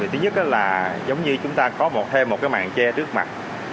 thứ nhất là giống như chúng ta có thêm một cái mạng che trước mặt